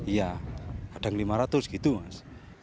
iya kadang lima ratus gitu mas